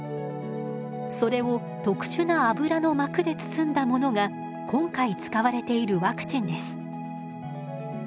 それを特殊な油の膜で包んだものが今回使われているワクチンです。